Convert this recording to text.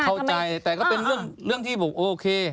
เข้าใจแต่ก็เป็นเรื่องที่บอกโอเค